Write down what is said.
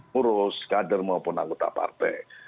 ngurus kader maupun anggota partai